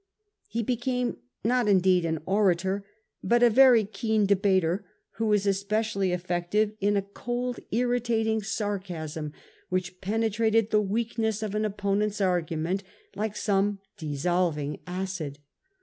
He became, not indeed an orator, but a very keen debater, who was especially effective in a cold irritating sarcasm wMch penetrated the weakness of an opponent's argument like some dissolving acid.